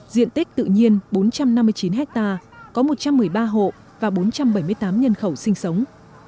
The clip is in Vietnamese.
diện tích tự nhiên bốn trăm năm mươi chín hectare có một trăm một mươi ba hộ và bốn trăm bảy mươi tám nhân khẩu sinh sống